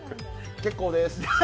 結構でーす。